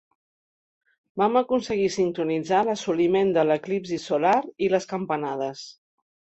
Vam aconseguir sincronitzar l'assoliment de l'eclipsi solar i les campanades.